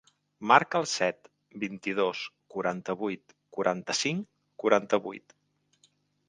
Marca el set, vint-i-dos, quaranta-vuit, quaranta-cinc, quaranta-vuit.